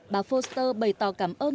bà foster bày tỏ cảm ơn thủ tướng